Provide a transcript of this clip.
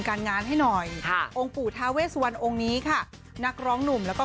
ค่ะองค์บุรูปทาเวสวันองค์นี้ค่ะนักร้องหนุ่มแล้วก็